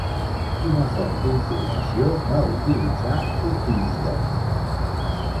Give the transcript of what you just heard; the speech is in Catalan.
Quina font d'informació va utilitzar Tucídides?